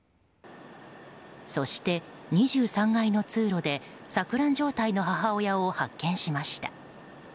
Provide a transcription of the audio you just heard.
そして２３階の通路で錯乱状態の母親を発見しました。